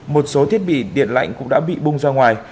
một số thiết bị điện lạnh cũng đã bị bung ra ngoài